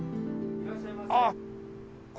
いらっしゃいませ。